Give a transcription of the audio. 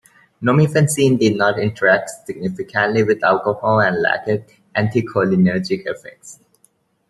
Nomifensine did not interact significantly with alcohol and lacked anticholinergic effects.